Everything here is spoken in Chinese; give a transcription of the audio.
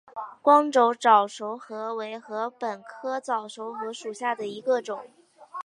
光轴早熟禾为禾本科早熟禾属下的一个种。